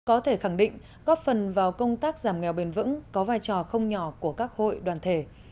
có thể khẳng định góp phần vào công tác giảm nghèo bền vững có vai trò không nhỏ của các hội đoàn thể